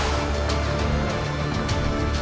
mari kita lihat sendirian